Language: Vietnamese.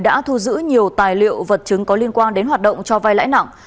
đã thu giữ nhiều tài liệu vật chứng có liên quan đến hoạt động cho vai lãi nặng